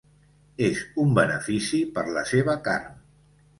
És un benefici per la seva carn.